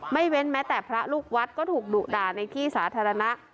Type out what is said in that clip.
เว้นแม้แต่พระลูกวัดก็ถูกดุด่าในที่สาธารณะ